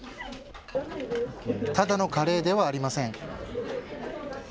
ただのカレーではありません。